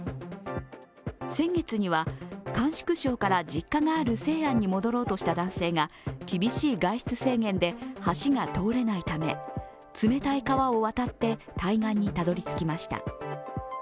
先月には、甘粛省から実家がある西安に戻ろうとした男性が厳しい外出制限で橋が通れないため冷たい川を渡って対岸にたどり着きました。